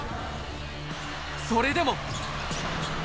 それでも。